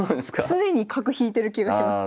常に角引いてる気がします。